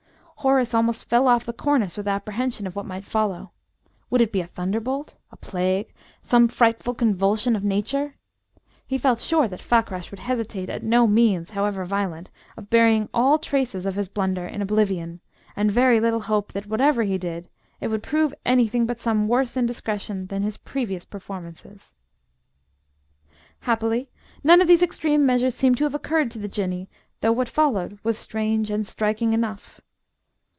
Horace almost fell off the cornice with apprehension of what might follow. Would it be a thunderbolt, a plague, some frightful convulsion of Nature? He felt sure that Fakrash would hesitate at no means, however violent, of burying all traces of his blunder in oblivion, and very little hope that, whatever he did, it would prove anything but some worse indiscretion than his previous performances. Happily none of these extreme measures seemed to have occurred to the Jinnee, though what followed was strange and striking enough.